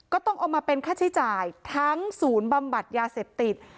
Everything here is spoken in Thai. ก็ต้องเอามาเป็นค่าใช้จ่ายทั้งศูนย์บำบัดยาเสพติด